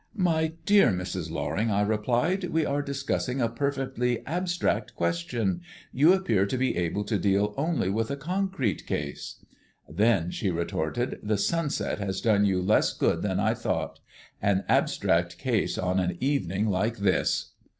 "My dear Mrs. Loring," I replied, "we are discussing a perfectly abstract question; you appear to be able to deal only with a concrete case." "Then," she retorted, "the sunset has done you less good than I thought. An abstract case on an evening like this!"